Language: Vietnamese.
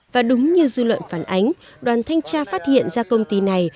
và đúng như dư luận phản ánh đoàn thanh tra phát hiện ra công ty này